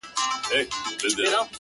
o اوس يې څنگه ښه له ياده وباسم؛